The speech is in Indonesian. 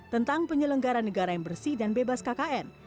tentang penyelenggaran negara yang bersih dan bebas kkn